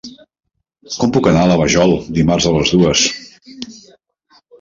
Com puc anar a la Vajol dimarts a les dues?